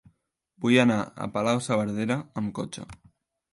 Vull anar a Palau-saverdera amb cotxe.